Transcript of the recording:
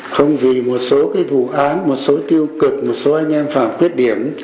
không vì một số cái vụ án một số tiêu cực một số anh em phản quyết điểm